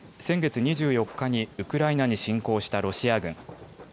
先月２４日にウクライナに侵攻したロシア軍。